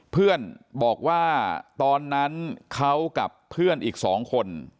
เพื่อนบอกว่าตอนนั้นเขากับเพื่อนอีก๒คน